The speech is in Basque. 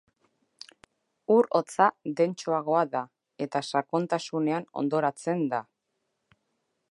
Ur hotza dentsoagoa da eta sakontasunean hondoratzen da.